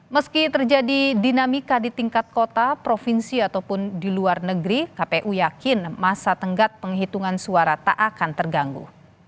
meski terjadi dinamika di tingkat kota provinsi ataupun di luar negeri kpu yakin masa tenggat penghitungan suara tak akan terganggu